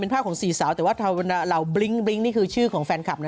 เป็นภาพของสี่สาวแต่ว่าเรานี่คือชื่อของแฟนคลับน่ะ